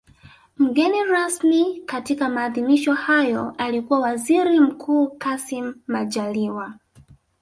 Mgeni rasmi katika maadhimisho hayo alikuwa Waziri Mkuu Kassim Majaliwa